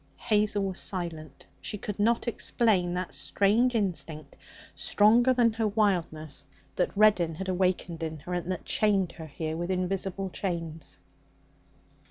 Hazel was silent. She could not explain the strange instinct, stronger than her wildness, that Reddin had awakened in her, and that chained her here with invisible chains.